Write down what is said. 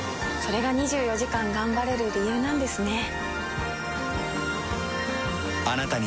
れが２４時間頑張れる理由なんですね。